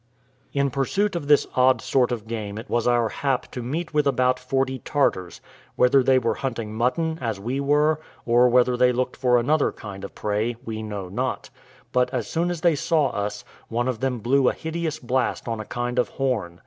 In pursuit of this odd sort of game it was our hap to meet with about forty Tartars: whether they were hunting mutton, as we were, or whether they looked for another kind of prey, we know not; but as soon as they saw us, one of them blew a hideous blast on a kind of horn.